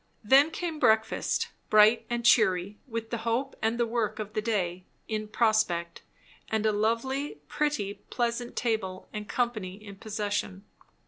Then came breakfast; bright and cheery, with the hope and the work of the day in prospect, and a lively, pretty, pleasant table and company in possession.